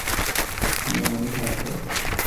না, আমি থাকবো।